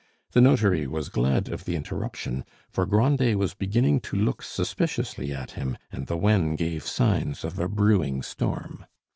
The notary was glad of the interruption, for Grandet was beginning to look suspiciously at him, and the wen gave signs of a brewing storm.